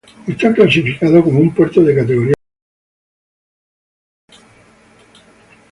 Está clasificado como un puerto de categoría especial.